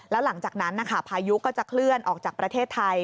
แล้วหลังจากนั้นนะคะพายุก็จะเคลื่อนออกจากประเทศไทย